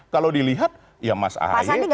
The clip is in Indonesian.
kalau dilihat ya mas ahy